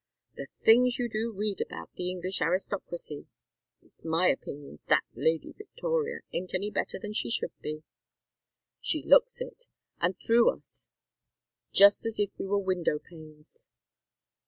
The things you do read about the English aristocracy! It's my opinion that Lady Victoria ain't any better than she should be. She looks it and through us, just as if we were window panes."